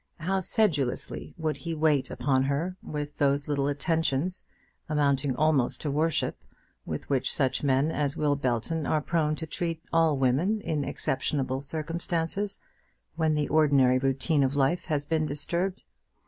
How sedulously would he wait upon her with those little attentions, amounting almost to worship, with which such men as Will Belton are prone to treat all women in exceptionable circumstances, when the ordinary routine of life has been disturbed!